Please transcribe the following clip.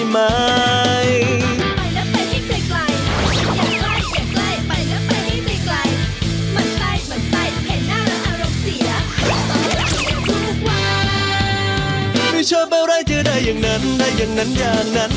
ไม่ชอบอะไรจะได้อย่างนั้นได้อย่างนั้นอย่างนั้น